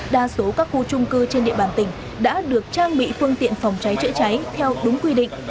đa số các khu trung cư trên địa bàn tỉnh đã được trang bị phương tiện phòng cháy chữa cháy theo đúng quy định